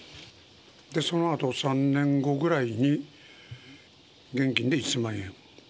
そのあと３年後ぐらいに、現金で１０００万円。